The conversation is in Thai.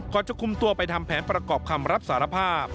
จะคุมตัวไปทำแผนประกอบคำรับสารภาพ